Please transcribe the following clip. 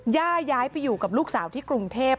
ย่าย้ายไปอยู่กับลูกสาวที่กรุงเทพ